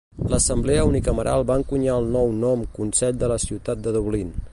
L'assemblea unicameral va encunyar el nou nom "Consell de la Ciutat de Dublín".